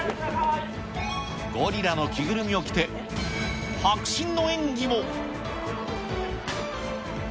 ゴリラの着ぐるみを着て迫真の演技も。